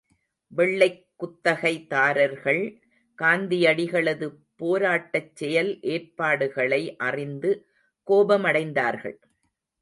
வெள்ளைக் குத்தகைதாரர்கள் காந்தியடிகளது போராட்டச் செயல் ஏற்பாடுகளை அறிந்து கோபமடைந்தார்கள்.